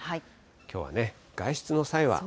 きょうは外出の際は。